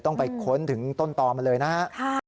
ต้องไปค้นถึงต้นต่อมาเลยนะครับ